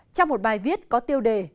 trong một bài viết có tiêu đề